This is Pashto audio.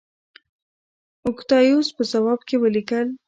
اوکتایوس په ځواب کې ولیکل